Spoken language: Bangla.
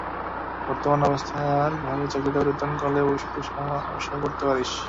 বর্তমান অবস্থার ভয়ে চাকরিটা পরিবর্তন করলে, ভবিষ্যতে সমস্যায় পড়তে পারিস।